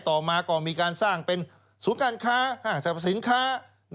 ต่อมาก็มีการสร้างเป็นศูนย์การค้าห้างสรรพสินค้า